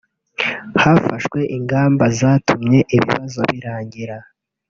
hafashwe ingamba zatumye ibibazo birangira